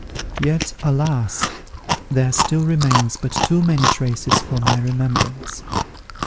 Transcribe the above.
Yet, alas! there still remains but too many traces for my remembrance!